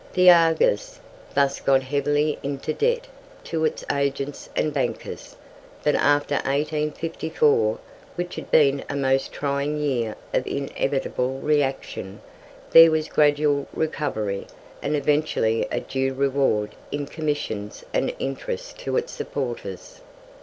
"The Argus" thus got heavily into debt to its agents and bankers; but after 1854, which had been a most trying year of inevitable reaction, there was gradual recovery, and eventually a due reward in commissions and interest to its supporters.